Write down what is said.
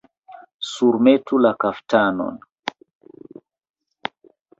Surmetu la kaftanon!